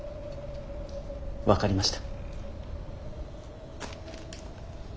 分かりました。